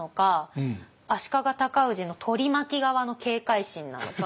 足利尊氏の取り巻き側の警戒心なのか。